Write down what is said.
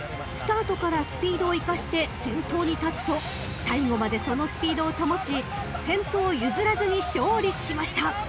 ［スタートからスピードを生かして先頭に立つと最後までそのスピードを保ち先頭を譲らずに勝利しました］